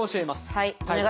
はい。